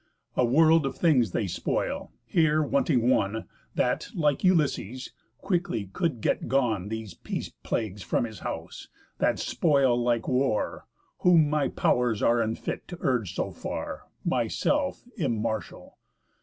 A world of things they spoil, here wanting one, That, like Ulysses, quickly could set gone These peace plagues from his house, that spoil like war; Whom my pow'rs are unfit to urge so far, Myself immartial.